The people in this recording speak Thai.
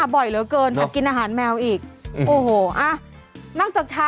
มาบ่อยเหลือเกินกับกินอาหารแมวอีกโอ้โหวอ่ะ